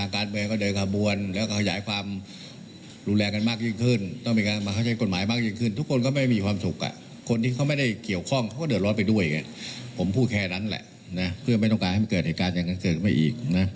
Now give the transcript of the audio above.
ก็ไม่อยากให้เกิดขึ้นอยู่ดี